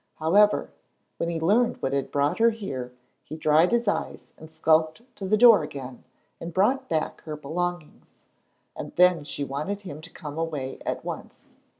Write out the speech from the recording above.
However, when he learned what had brought her here he dried his eyes and skulked to the door again and brought back her belongings, and then she wanted him to come away at once.